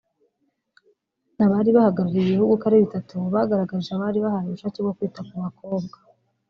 Abari bahagarariye ibi bihugu uko ari bitatu bagaragarije abari bahari ubushake bwo kwita ku bakobwa